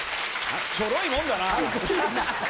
ちょろいもんだな！